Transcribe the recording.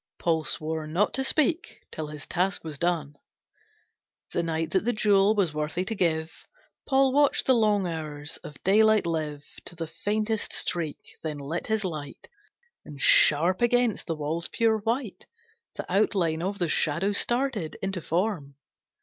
Paul swore not to speak till his task was done. The night that the jewel was worthy to give. Paul watched the long hours of daylight live To the faintest streak; then lit his light, And sharp against the wall's pure white The outline of the Shadow started Into form.